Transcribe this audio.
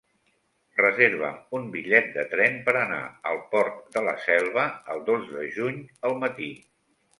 Reserva'm un bitllet de tren per anar al Port de la Selva el dos de juny al matí.